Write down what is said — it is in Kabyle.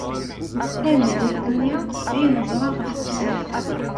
Armi d iḍelli ay neẓra ɣef temsalt-a.